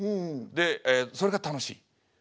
でそれが楽しい。